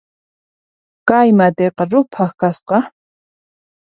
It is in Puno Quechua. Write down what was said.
Kay matiqa ruphan kasqa